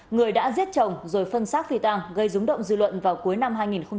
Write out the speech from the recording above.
người đã giết chồng rồi phân xác phi tàng gây rúng động dư luận vào cuối năm hai nghìn một mươi chín